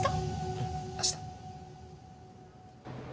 うん明日